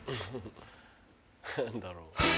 何だろう？